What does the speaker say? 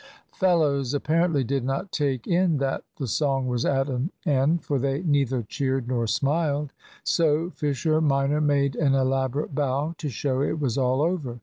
Fellows apparently did not take in that the song was at an end, for they neither cheered nor smiled. So Fisher minor made an elaborate bow to show it was all over.